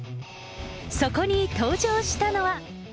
そこに登場したのは。